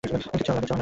কিচ্ছু হবে না।